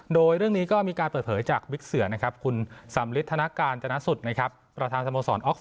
โดยเรื่องนี้ก็มีการเปิดเผยจากวิทยุครัพสมฤทธิ์ธนการ